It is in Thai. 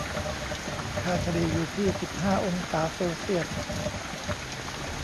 ค่าเฉลี่ยอยู่ที่ สิบห้า องศาเซลเซียส